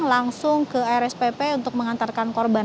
langsung ke rspp untuk mengantarkan korban